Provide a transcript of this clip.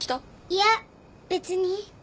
いや別に。